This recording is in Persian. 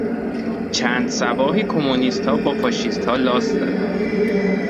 چند صباحی کمونیستها با فاشیستها لاس زدند.